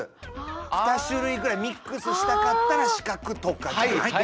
２種類ぐらいミックスしたかったら四角とかじゃない？